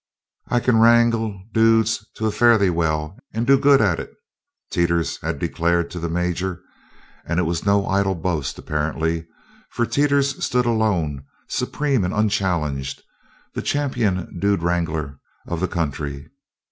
"I can wrangle dudes to a fare ye well and do good at it," Teeters had declared to the Major. And it was no idle boast, apparently, for Teeters stood alone, supreme and unchallenged, the champion dude wrangler of the country.